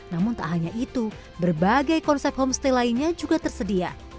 namun tak hanya itu berbagai konsep homestay lainnya juga tersedia